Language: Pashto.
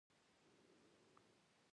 د اخندزاده صاحب د توهین په تور یې وټکاوه.